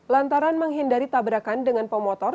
lantaran menghindari tabrakan dengan pemotor